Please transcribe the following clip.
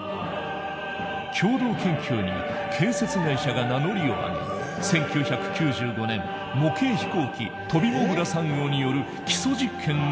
共同研究に建設会社が名乗りを上げ１９９５年模型飛行機「とびもぐら３号」による基礎実験が行われた。